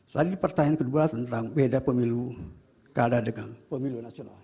soalnya pertanyaan kedua tentang beda pemilu keadaan dengan pemilu nasional